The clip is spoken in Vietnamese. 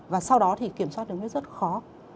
và sau đó thì kiểm soát đường huyết rất khó